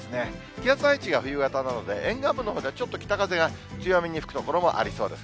気圧配置が冬型なので、沿岸部のほうでちょっと北風が強めに吹く所もありそうです。